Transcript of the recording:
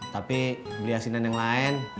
tapi beli asinan yang lain